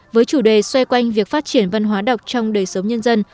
với chủ đề xoay quanh việc phát triển văn hóa đọc trong đời sống nhân dân